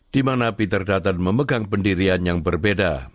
di mana peter datang memegang pendirian yang berbeda